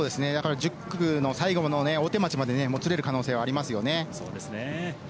１０区の最後の大手町までもつれる可能性はありますね。